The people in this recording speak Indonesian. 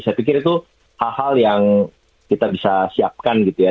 saya pikir itu hal hal yang kita bisa siapkan gitu ya